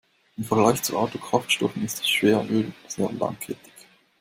Im Vergleich zu Autokraftstoffen ist Schweröl sehr langkettig.